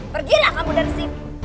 pergilah kamu dari sini